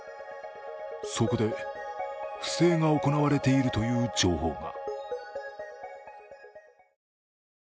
そこで不正が行われているという情報が。